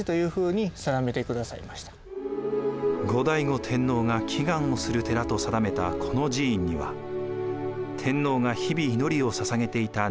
後醍醐天皇が祈願をする寺と定めたこの寺院には天皇が日々祈りをささげていた念持仏があります。